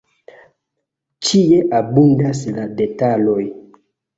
Ĉie abundas la detaloj.